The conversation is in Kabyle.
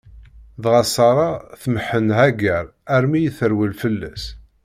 Dɣa Ṣara tmeḥḥen Hagaṛ armi i terwel fell-as.